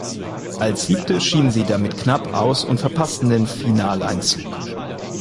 Als Siebte schieden sie damit knapp aus und verpassten den Finaleinzug.